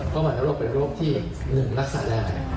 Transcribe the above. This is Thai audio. เพราะอันโรคเป็นอันโรคที่หนึ่งรักษาได้